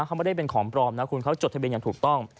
เขาไม่ได้เป็นของปลอมนะคุณเขาจดทะเบียนอย่างถูกต้อง